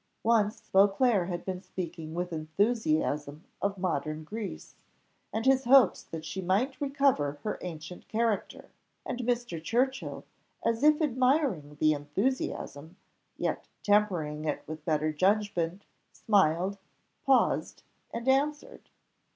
Once Beauclerc had been speaking with enthusiasm of modern Greece, and his hopes that she might recover her ancient character; and Mr. Churchill, as if admiring the enthusiasm, yet tempering it with better judgment, smiled, paused, and answered.